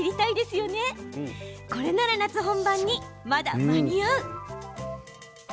これなら夏本番にまだ間に合う。